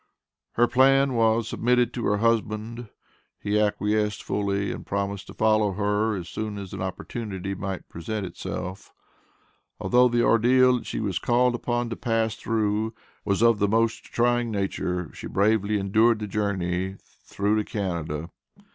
Her plan was submitted to her husband; he acquiesced fully and promised to follow her as soon as an opportunity might present itself. Although the ordeal that she was called upon to pass through was of the most trying nature she bravely endured the journey through to Canada.